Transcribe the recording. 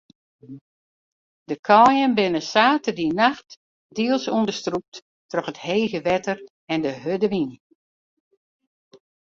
De kaaien binne saterdeitenacht diels ûnderstrûpt troch it hege wetter en de hurde wyn.